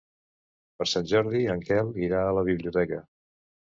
Per Sant Jordi en Quel irà a la biblioteca.